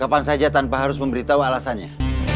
kapan saja tanpa harus memberitahu alasannya